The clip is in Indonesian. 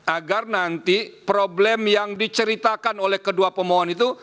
agar nanti problem yang diceritakan oleh kedua pemohon itu